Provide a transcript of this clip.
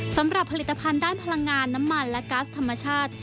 สำหรับผลิตภัณฑ์ด้านพลังงานน้ำมันและก๊าซธรรมชาติ